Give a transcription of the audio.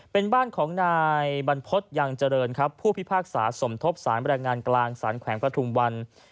เป็นบ้านของนายบรรพฤษยังเจริญครับผู้พิพากษาสมทบสารแรงงานกลางสารแขวงประทุมวัน